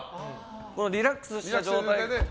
リラックスした状態で。